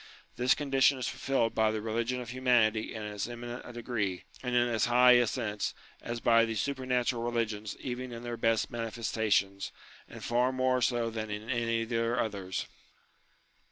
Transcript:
This condition is fulfilled by the Eeligion of Humanity in as eminent a degree, and in as high a sense, as by the supernatural religions even in their best manifesta tions, and far more so than in any of their others.